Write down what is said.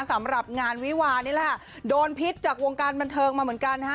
สำหรับงานวิวานี่แหละค่ะโดนพิษจากวงการบันเทิงมาเหมือนกันนะฮะ